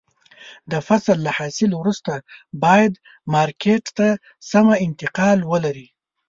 د فصل له حاصل وروسته باید مارکېټ ته سمه انتقال ولري.